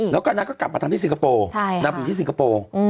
แล้วก็นางก็กลับมาทำที่สิงคโปร์นางไปอยู่ที่สิงคโปร์